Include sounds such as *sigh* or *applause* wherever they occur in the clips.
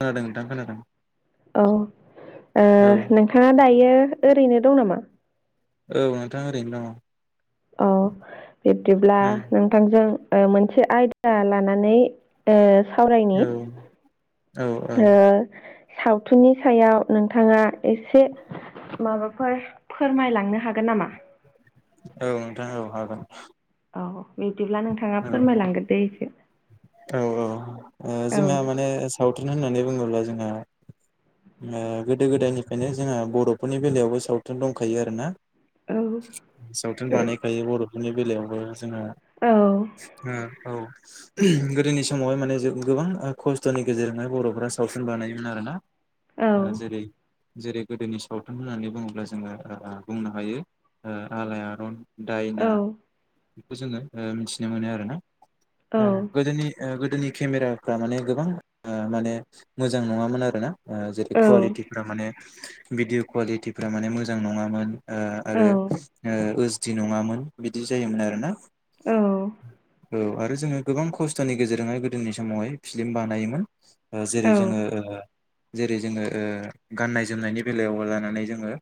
खोनादों नोंथां खोनादों अ ओ औ नोंथाङा दायो ओरैनो दं नामा? औ नोंथां ओरैनो दङ? औ बिब्दिब्ला दङ नोंथांजों ओ मोनसे आयदा लानानै ओ सावरायनि औ औ औ ओ सावथुननि सायाव नोंथाङा एसे माबाफोर फोरमायलांनो हागोन नामा? औ नोंथां औ हागोन। औ बिदिब्ला नोंथाङा औ फोरमायलांगोनदे एसो औ औ ओ जोंहा माने सावथुन होननानै बुङोब्ला जोंहा ओं गोदो गोदायनिफ्रायनो जोंहा बर'फोरनि बेलायावबो सावथुन दंखायो आरोना। औ सावथुन बानायखायो बर'फोरनि बेलायावबो। जोङो औ ओ औ। गोदोनि समावहाय माने जों गोबां खस्थ'नि गेजेरजोंहाय बर'फोरा सावथुन बानायोमोन आरोना। ओ औ जेरै जेरै गोदोनि सावथुन होननानै बुङोब्ला जोङो ओ ओ बुंनो हायो ओ आलायारन। दायना औ बेखौ जोङो ओ मिथिनो मोनो आरोना। ओ औ। गोदोनि ओ गोदोनि केमेराफ्रा माने गोबां ओ माने मोजां नङामोन आरोना। ओ जेरै औ कुवालिटिफ्रा माने भिडिअ कुवालिटिफ्रा माने मोजां नङामोन। ओ आरो ओसडि नङामोन बिदि जायोमोन आरोना। औ। औ आरो जोङो गोबां खस्थ'नि गेजेरजोंहाय गोदोनि समावहाय फिलिम बानायोमोन। ओ जेरै जोङो ओ जेरै जोङो ओ गाननाय जोमनायनि बेलायाव लानानै जोङो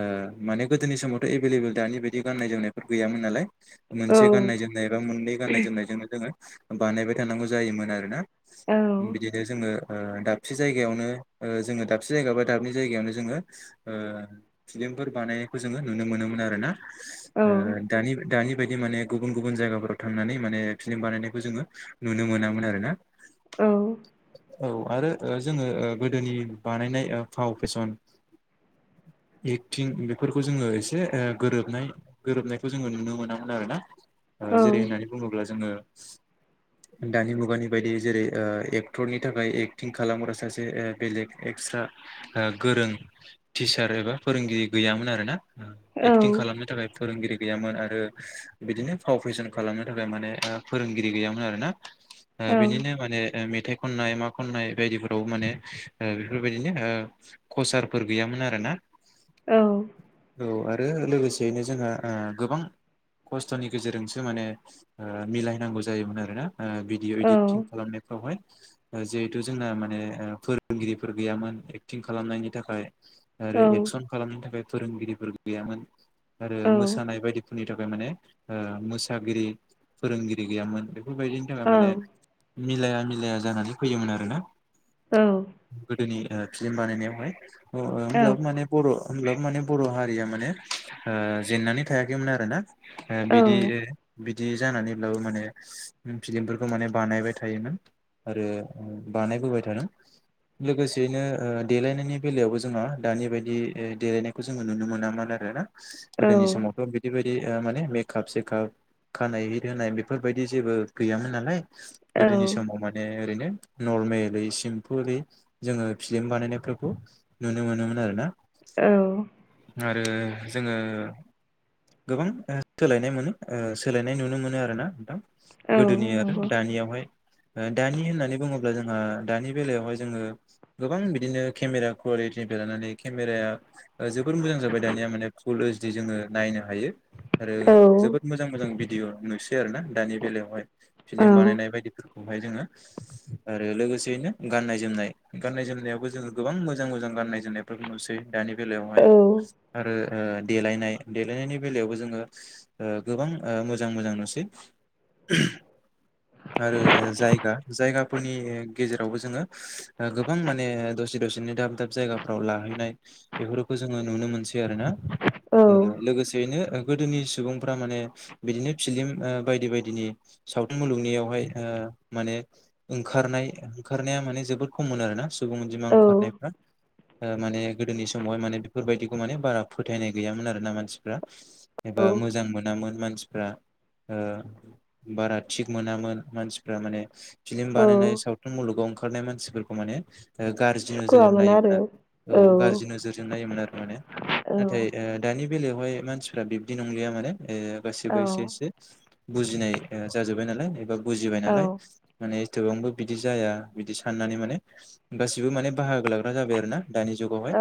ओ माने गोदोनि समाव थ' एभेलेबेल दानि बायदि गाननाय जोमनायफोर गैयाम नालाय मोनसे गाननाय जोमनाय एबा मोननै गाननाय जोमनायजोंनो जोङो बानायबाय थानांगौ जायोमोन आरोना। औ औ बिदिनो जोङो ओ दाबसे जायगायावनो ओ जोङो दाबसे जायगायाव बा दाबै जायगायावनो जोङो ओ फिलिम फोर बानायनायखौ जोङो नुनो मोनोन आरो ना। ओ औ दानि दानि बायदि माने गुबुन गुबुन जायगाफोराव थांनानै माने फिल्म बानायनाय। जोङो नुनो मोनामोन आरोना। औ। औ आरो ओ जोङो गोदोनि बानायनाय ओ फाव फेसन। एक्टिं बेफोरखौ जोङो एसे ओ गोरोबनाय गोरोबनायखौ जोङो नुनो मोनामोन आरोना। ओ औ जेरै होननानै बुङोब्ला जोङो। दानि मुगानि बायदि जेरै ओ एक्टरनि थाखाय एक्टिं खालामग्रा सासे ओ बेलेग एक्सट्रा ओ गोरों टिचार एबा फोरोंगिरि गैयामोन आरोना। औ एक्टिं खालामनो थाखाय फोरोंगिरि। गैयामोन आरो ओ बिदिनो फाव फेसन खालामनो थाखाय माने ओ फोरोंगिरि गैयामोन आरोना। ओ औ बिनिनो माने ओ मेथाइ खननाय मा खननाय बायदिफोराव माने ओ बेफोरबायदिनो ओ कचारफोर गैयामोन आरोना। औ। औ आरो लोगोसेयैनो जोंहा ओ गोबां। खस्थ'नि गेजेरजोंसो माने ओ मिलायनांगौ जायोमोन आरोना ओ भिडिअ एडिटिं खालामनायफ्रावहाय। ओ जिहेथु जोंना माने ओ फोरोंगिरिफोर गैयामोन एक्टिं खालामनायनि थाखाय आरो एक्सन खालामनो थाखाय फोरोंगिरिफोर गैयामोन आरो औ मोसानाय बायदिफोरनि थाखाय माने ओ मोसागिरि फोरोंगिरि गैयामोन बेफोरबायदिनि थाखाय औ माने मिलाया मिलाया जानानै फैयोमोन आरोना औ गोदोनि ओ फिलिम बानायनायावहाय ह ओ नंगौ औ औ होमब्लाबो माने बर' होमब्लाबो माने बर' हारिया माने ओ जेन्नानै थायाखैमोन आरोना ओ बिदि औ ओ बिद दि जानानैब्लाबो माने *unintelligible* नों फिलिमफोरखौ माने बानायबाय थायोमोन आरो ओ बानायबोबाय थादों। लोगोसेयैनो ओ देलायनायनि बेलायावबो जोंहा दानि बायदि ओ देलायनायखौ जोङो नुनो मोनामोन आरोना। गोदोनि समावथ' बिदि बायदि माने ओ मेकप सेकाप खानाय हित होनाय बेफ फोरबायदि जेबो गैयामोन नालाय गोदोनि समाव माने ओरैनो नर्मेल सिम्पोलै जोङो फिलिम बानायनायफोरखौ नुनो मोनोमोन आरोना। औ ओ जोङो गोबां ओ सोलायनाय मोनो ओ सोलायनाय नुनो मोनो आरोना ना गोदोनि आरो दानियावहाय। ओ दानि होननानै बुङोब्ला जोंहा दानि बेलायावहाय जोङो गोबां बिदिनो केमेरा कुवा *unintelligible* लानानै खेमेराया ओ जोबोर मोजां जाबाय दानिया माने फुल ओसदि जोङो नायनो हायो आरो जोबोद मोजां मोजां भिडिअ नुसै आरो ना दानि बेलायावहाय फिलिम बानायनाय बायदिफोर खौहाय जोङो आरो लोगोसेयैनो गाननाय जोमनाय गाननाय जोमनायावबो जोङो गोबां मोजां मोजां गाननाय जोमनायफोरखौ नुसै दानि बेलायावहाय आरो ओ देलायनाय देलायनायनि बेलायावबो जोङो गोबां मोजां मोजां नुसै। *unintelligible* आरो ओ जायगा जायगाफोरनि गेजेरावबो जोङो ओ गोबां माने दस से दसेनो दाब दाब जायगाफ्राव लाहैनाय बेफोरखौ जोङो नुनो मोनसै आरो ना ओ लोगोसेयनो गोदोनि सुबुंफ्रा माने बिदिनो फिलिम ओ बायदि बायदि दिनि सावथुन मुलुगनियावहाय ओ माने ओंखारनाय ओंखारनाया माने जोबोद खम मोन आरोना सुबुं अनजिमा औ ओंखारनायफ्रा। ओ माने गोदोनि समावहाय माने बिफोरबायदिखौ माने बारा फोथायनाय गैयामोन आरोना मानसिफ्रा एबा मोजां मोनामोन मानसिफ्रा ओ बारा थिग मोनामोन मानसिफ्रा माने फिलिम औ बानायनाय सावथुन मुलुगाव ओंखारनाय मानसिफोरखौ मान ने ओ गाज्रि नोजोरजों नायोमोन आरो औ गाज्रि नोजोरजों नायोमोन आरो माने। औ नाथाय ओ दानि बेलायावहाय मानसिफ्रा बिबदि नंलिया माने ओ औ गासिबो एसे एसे बुजिनाय ओ जाजोब्बाय नालाय एबा बुजिबाय औ नालाय माने गोबांबो बिदि जाया बिदि साननानै माने गासिबो माने बाहागो लाग्रा जाबाय आरोना दानि जुगावहाय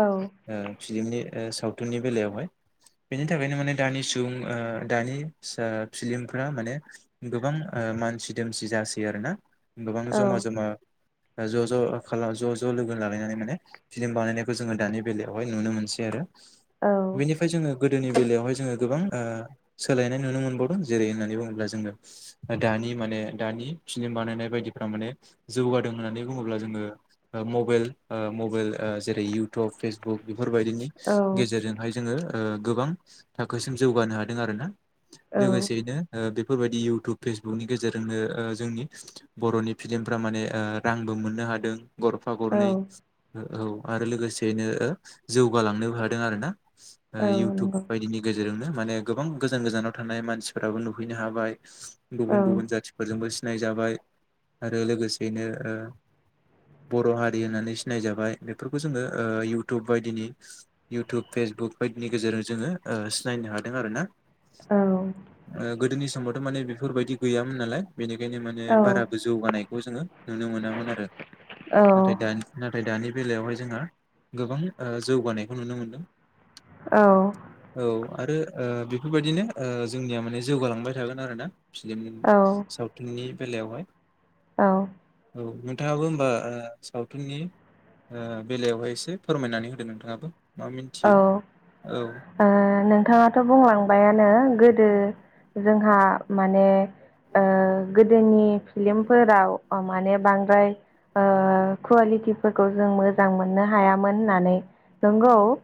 ओ फिलिमनि ओ सावथुननि बेलायावहाय। बेनि थाखायनो माने दानि सुबुं ओ दानि सा फिलिमफ्रा माने गोबां ओ मानसि दोमसि जासै आरोना गोबां जमा जमा ओ ज' ज' खाला ज' ज' लोगो लालायनानै माने फिलिम बानायनायखौ जोङो दानि बेलायावहाय नुनो मोनसै आरो। औ बेनिफाय जोङो गोदोनि बेलायावहाय जोङो गोबां ओ सोलायनाय नुनो मोनबावदों जेरै होननानै बुङोब्ला जोङो दानि माने दानि फिलिम बानायनाय बायदिफ्रा माने जौगादों होननानै बुङोब्ला जोङो ओ मबेइल ओ मबेइल ओ जेरै इउटब फेसबुक बे फोरबायदिनि औ गेजेरजोंहाय जोङो ओ गोबां थाखोसिम जौगानो हादों आरोना। लोगोसेयैनो ओ बेफ इउटुब फेसबुकनि गेजेरजोंनो ओ जोंनि बर'नि फिलिमफ्रा माने ओ रांबो मोननो हादों गरफा औ गरनै ओ औ आरो लोगोसेयैनो ओ जौगालांनोबो हादों आरोना। ओ औ इउटुब नंगौ बायदिनि गेजेरजोंनो माने गोबां गोजान गोजानाव थानाय गुबुन औ गुबुन जाथिफोरजोंबो सिनाय जाबाय बर' हारि होननानै सिनायजाबाय बेफोरखौ जोङो ओ इउटुब बायदिनि इउटुब फे सबुक बायदिनि गेजेरजों ओ जोङो सिनायनो हादों आरोना। औ थारमाने बेफोरबायदि गैयामोन नालाय बेनिखायनो माने औ बाराबो गोजौगानायखौ जोङो नुनो मोनामोन आरो। औ नाथाय औ दानि नाथाय दानि बेलायावहाय जोङो गोबां जौगानायखौ नुनो मोनदों। औ औ आरो ओ बेफोरबायदिनो ओ जोंनिया माने जौगालांबाय थागोन आरो ना? फिलिम सावथुननि बेलायावहाय औ औ नोंथाङाबो होमबा ओ सावथुननि ओ बेलायावहाय एसे फोरमायनानै होदो नोंथाङाबो। मा औ मिन्थियो औ ओ नोंथाङाथ' बुंलांबायानो गोदो जोंहा माने ओ गोदोनि फिलमफोराव अ माने बांद्राय ओ खुवालिटिफोरखौ जों मोजां मोननो हायामोन होननानै, नोंगौ ओ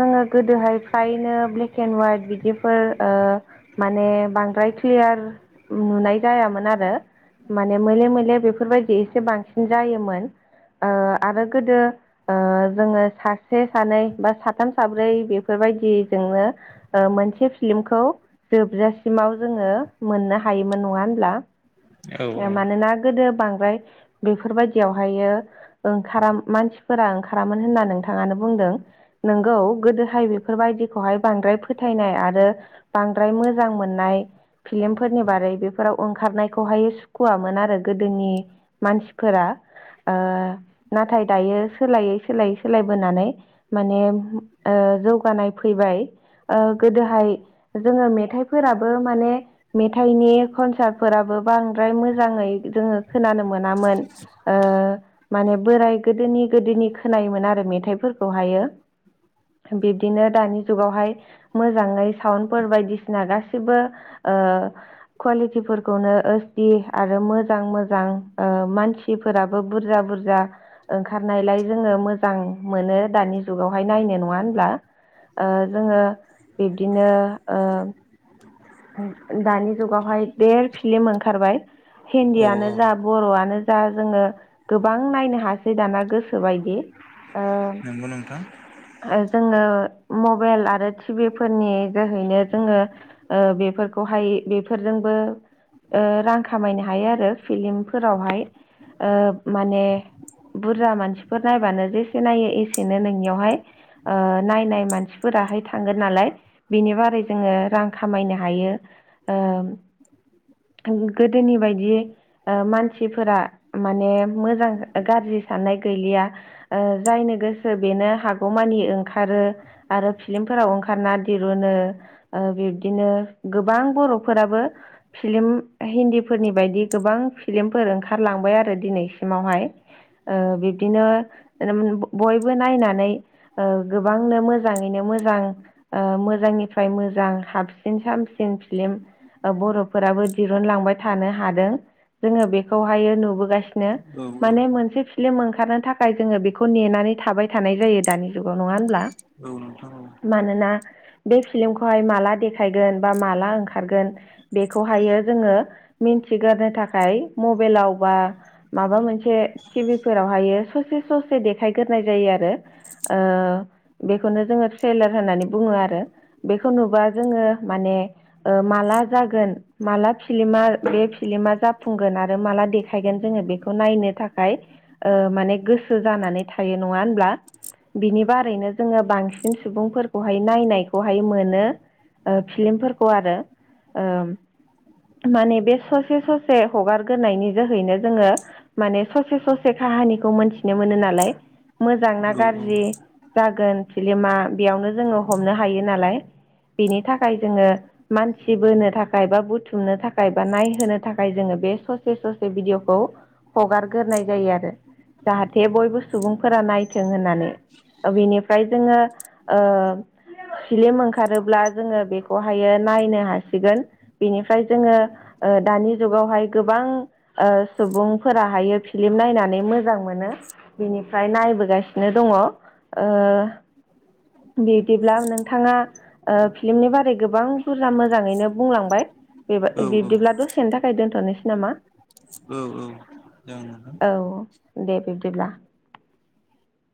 जोङो गोदोहाय फ्रायनो ब्लेक एन्ड वाइट बिदिफोर ओ माने बांद्राय क्लियार नुनाय जायामोन आरो। माने मोले मोले बेफोरबायदि एसे बांसिन जायोमोन ओ आरो गोदो जोङो ओ सासे सानै बा साथाम साब्रै बेफोरबायदि जोंनो मोनसे फिल्मखौ जोबजासिमोन गाव जोङो मोननो हायोमोन नङा होनब्ला? औ मानोना गोदो बां बेफोरबायदियावहायो ओंखार मानसिफोरा ओंखारामोन होनना नोंथाङानो बुंदों। जों। नोंगौ गोदोहाय बेफोरबायदिखौहाय बांद्राय फोथायनाय आरो बांद्राय मोजां मोननाय फिल्मफोरनि बारै बेफोराव ओंखारनायखौहायो सुखुवामोन आरो गोदोनि मानसि फोरा नाथाय ओ दायो सोलायै सोलायै सोलायबोनानै माने जौगानाय फैबाय। गोदोहाय जोङो मेथाइफोराबो माने मेथाइनि कनसार्टफोराबो बांद्राय मोजाङै जोङो खोनानो मोनामोन। माने बोराय गोदोनि गोदोनि खोनायोमोन आरो मेथाइफोरखौहायो। *inaudible* बिब्दिनो दानि जुगावहाय मोजाङै साउन्डफोर बायदिसिना गासिबो ओ कुवालिटिफोरखौनो एसटि आरो मोजां मोजां ओ मानसिफोरा बुरजा बुरजा ओंखारनायलाय जोङो मोजां मोनो दानि जुगावहाय नायनो नङा होनब्ला जोङो बिब्दिनो दानि जुगावहाय देर फिलिम ओंखारबाय औ हिन्दीयानो औ जा बर'आनो जा जा जोङो गोबां नायनो हासै दाना गोसोबायदि ओ नंगौ नोंथां। ओ जोङो मबाइल आरो टिभि फोरनि जोहैनो जोङो ओ बेफोरखौहाय बेफोरजोंबो ओ रां खामायनो हायो आरो फिलिमफोरावहाय माने बुरजा मानसिफोर नायबानो जेसे नायो एसेनो नोंनियावहाय ओ नायनाय मानसिफोर दाहाय थांगोन नालाय बिनि बारै जोङो रां खामायनो हायो ओ गोदोनि बायदि ओ मानसिफोरा माने मोजां गाज्रि साननाय गैलिया ओ जायनो गोसो बेनो हागौमानि ओंखारो आरो फिलिम फोराव ओंखारना दिरुनो बिदिनो गोबां बर'फोराबो फिल्म हिन्दीफोरनि बायदि गोबां फिल्मफोर ओंखारलांबाय आरो दिनैसिमावहाय ओ बिब्दिनो बयबो नायनानै ओ गोबांनो मोजाङैनो मोजां ओ मोजांनिफ्राय मोजां हाबसिन साबसिन सामसिन फिलिम बर'फोराबो दिरुनलांबाय थानो हादों। जोङो बेखौहाय नुबोगासिनो औ माने मोनसे भिलिम ओंखारनो थाखाय जोङो बेखौ नेनानै थाबाय थानाय जायो दानि जुगाव नङा होनोमब्ला औ नोंथां औ मानोना बे फिल्मखौहाय माला देख थाइगोन बा माला ओंखारगोन बेखौहायो जोङो मिन्थिगारनो थाखाय मबाइेलाव बा माबा मोनसे टिभि फोरावहायो ससे ससे देखायग्रोनाय जायो आरो ओ बेखौनो जोङो ट्रलार होननानै बुङो आरो बेखौ नुबा जोङो माने ओ माला जागोन माला फिलिमा बे फिलिमा जाफुंगोन। आरो माला देखायगोन जोङो बेखौ नायनो थाखाय ओ माने गोसो जानानै थायो नङा। ब्ला बिनि बारैनो जोङो बांसिन सुबुंफोरखौहाय नायनायखौहाय मोनो। ओ फिल्मफोरखौ आरो ओ माने बे ससे ससे हगारग्रोनायनि जोहैनो जोङो माने ससे ससे काहानिखौ मोनथिनो मोनो नालाय मोजां ना औ औ गाज्रि जागोन। फिल्मा बेयावनो जोङो हमनो हायो नालाय। बिनि थाखाय जोङो मानसि बोनो थाखाय बा बुथुमनो थाखाय बा नायहोनो थाखाय जोङो बे ससे ससे भिदिअखौ हगार गोरनाय जायो आरो जाहाथे बयबो सुबुंफोरा नायथों होननानै ओ बिनिफ्राय जोङो ओ फिलिम ओंखारोब्ला जोङो बेखौहायो नायनो हासिगोन बेनिफ्राय जोङो दानि ओ जुगावहाय गोबां ओ सुबुंफोराहायो फिलिम नायनानै मोजां मोनो। बिनिफ्राय नायबोगासिनो दङ ओ बिदिब्ला नोंथाङा ओ फिलिमनि बारै गोबां बुरजा मोजाङैनो बुंलांबाय औ बेबा-बिब्दिब्ला औ दसेनि था खाय दोन्थ'नोसै नामा? औ औ जागोन औ दे जागोन। दे बिब्दिब्ला।